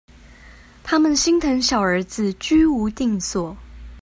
他們心疼小兒子居無定所